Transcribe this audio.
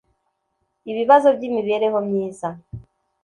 ibibazo by'imibereho myiza